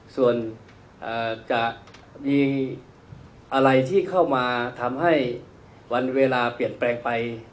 ส่วนจะมีอะไรที่เข้ามาทำให้วันเวลาเปลี่ยนแปลงไป